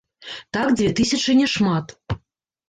Так дзве тысячы не шмат.